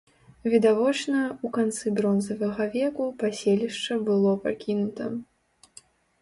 Відавочна, у канцы бронзавага веку паселішча было пакінута.